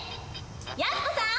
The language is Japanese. やす子さん。